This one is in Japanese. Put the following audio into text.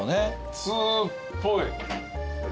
通っぽい。